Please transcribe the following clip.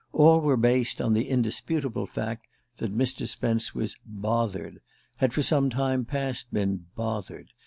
All were based on the indisputable fact that Mr. Spence was "bothered" had for some time past been "bothered."